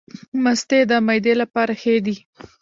مستې د معدې لپاره ښې دي